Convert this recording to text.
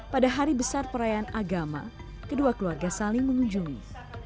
pada hari besar perayaan agama kedua keluarga saling mengunjungi